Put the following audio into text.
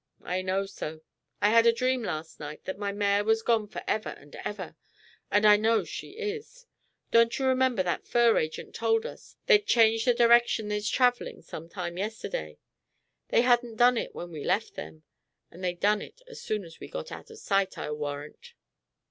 "I know so. I had a dream last night that my mare was gone for ever and ever, and I know she is. Don't you remember that fur agent told us they'd change the direction they's traveling some time yesterday? They hadn't done it when we left them, and they done it as soon as we got out of sight, I warrant."